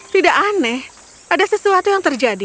tidak aneh ada sesuatu yang terjadi